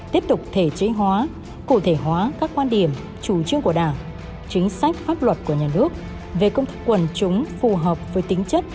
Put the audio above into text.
tiếp tục thể chế hóa cụ thể hóa các quan điểm chủ trương của đảng chính sách pháp luật của nhà nước về công thức quần chúng phù hợp với tính chất